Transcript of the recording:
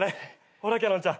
ほらキャノンちゃん。